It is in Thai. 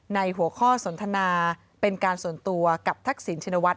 หัวข้อสนทนาเป็นการส่วนตัวกับทักษิณชินวัฒ